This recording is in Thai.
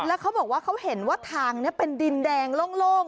แล้วเขาบอกว่าเขาเห็นว่าทางนี้เป็นดินแดงโล่ง